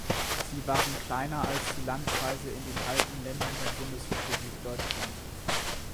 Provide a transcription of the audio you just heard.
Sie waren kleiner als die Landkreise in den alten Ländern der Bundesrepublik Deutschland.